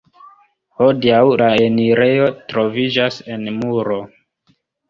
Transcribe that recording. Hodiaŭ la enirejo troviĝas en muro.